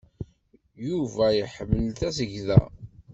Yuba iḥemmel tasegda.